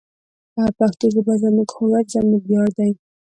پښتو ژبه زموږ هویت او زموږ ویاړ دی.